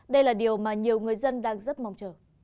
đây là điều mà nhiều người dân đang rất mong chờ